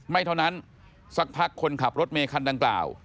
ไม่เท่านั้นสักพักคนขับรถเมคันดังกล่าว